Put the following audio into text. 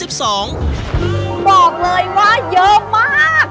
บอกเลยว่าเยอะมาก